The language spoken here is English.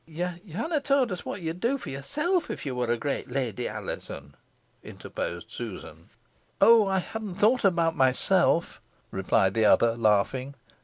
"Yo hanna towd us whot yo'd do fo yurself if yo war a great lady, Alizon?" interposed Susan. "Oh, I haven't thought about myself," replied the other, laughing.